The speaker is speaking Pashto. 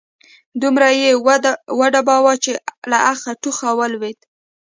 دومره يې وډباوه چې له اخه، ټوخه ولوېد